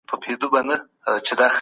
هغوی خپل مسؤليت په سمه توګه ترسره کوي.